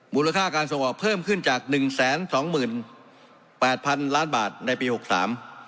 มูลค่าการส่งออกเพิ่มขึ้นจากหนึ่งแสนสองหมื่นแปดพันล้านบาทในปีหกสาม